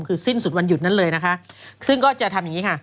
คือสิ้นสุดวันหยุดนั้นเลยนะคะซึ่งก็จะทำอย่างนี้ค่ะ